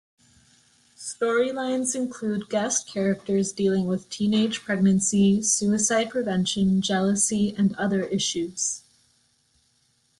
Storylines include guest characters dealing with teenage pregnancy, suicide prevention, jealousy and other issues.